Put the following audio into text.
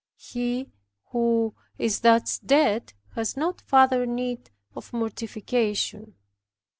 He who is thus dead has no further need of mortification.